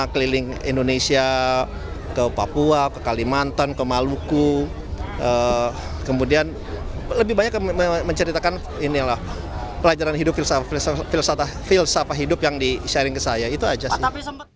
ke kalimantan ke maluku kemudian lebih banyak menceritakan pelajaran hidup filsafah hidup yang disyaring ke saya itu aja sih